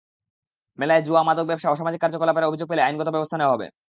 মেলায় জুয়া, মাদক ব্যবসা, অসামাজিক কার্যকলাপের অভিযোগ পেলে আইনগত ব্যবস্থা নেওয়া হবে।